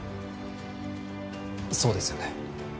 そうですよね。